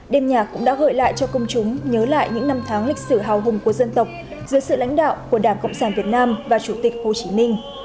đêm nhạc cũng đã gợi lại cho công chúng nhớ lại những năm tháng lịch sử hào hùng của dân tộc dưới sự lãnh đạo của đảng cộng sản việt nam và chủ tịch hồ chí minh